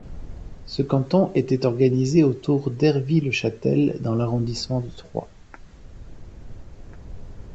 Ce canton était organisé autour d'Ervy-le-Châtel dans l'arrondissement de Troyes.